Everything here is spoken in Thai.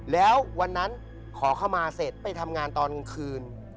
แล้ววันนั้นขอเข้ามาเสร็จไปทำงานตอนกลางคืน